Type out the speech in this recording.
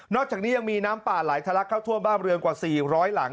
อกจากนี้ยังมีน้ำป่าไหลทะลักเข้าท่วมบ้านเรือนกว่า๔๐๐หลัง